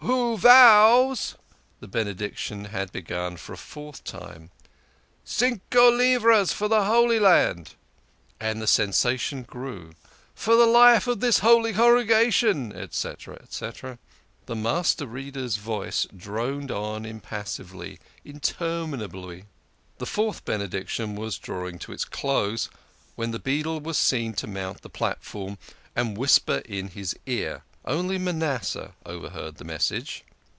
" Who vows " The Benediction had begun for a fourth time. " Cinco livras for the Holy Land." And the sensation grew. " For the life of this holy congregation, &c." The Master Reader's voice droned on impassively, inter minably. The fourth Benediction was drawing to its close, when the beadle was seen to mount the platform and whisper in his ear. Only Manasseh overheard the message.